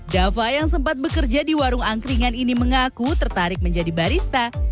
dava yang sempat bekerja di warung angkringan ini mengaku tertarik menjadi barista